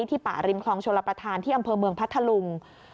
ป่าริมคลองชลประธานที่อำเภอเมืองพัทธลุง